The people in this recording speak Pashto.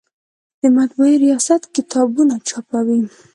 د مطبعې ریاست کتابونه چاپوي؟